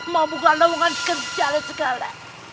mau buka lawangan kerja dan segala